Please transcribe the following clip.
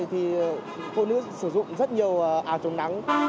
thì phụ nữ sử dụng rất nhiều áo chống nắng